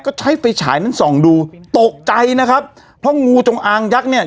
ก็ใช้ไฟฉายนั้นส่องดูตกใจนะครับเพราะงูจงอางยักษ์เนี่ย